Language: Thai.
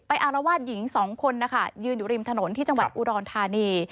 อารวาสหญิงสองคนนะคะยืนอยู่ริมถนนที่จังหวัดอุดรธานี